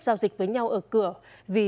giao dịch với nhau ở cửa vì